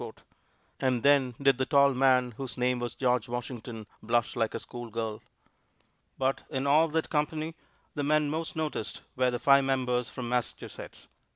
'" And then did the tall man, whose name was George Washington, blush like a schoolgirl. But in all that company the men most noticed were the five members from Massachusetts.